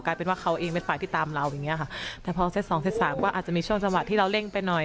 เป็นว่าเขาเองเป็นฝ่ายที่ตามเราอย่างเงี้ค่ะแต่พอเซ็ตสองเซตสามก็อาจจะมีช่วงจังหวะที่เราเร่งไปหน่อย